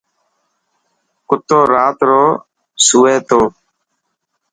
ڪتو رات رو سوي تيو.